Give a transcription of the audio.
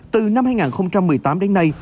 từ năm hai nghìn một mươi tám đến nay